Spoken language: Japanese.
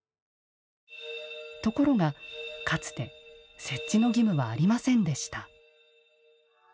ところが、かつて設置の義務はありませんでした。